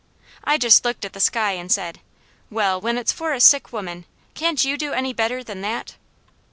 I just looked at the sky and said: "Well, when it's for a sick woman, can't You do any better than that?"